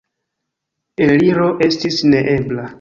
Eliro estis neebla.